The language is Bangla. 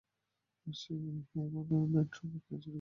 হেই, আমার নাইট্রোকে কে চুরি করেছে?